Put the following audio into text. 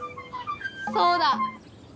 そうだ。